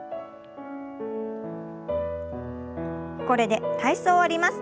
これで体操を終わります。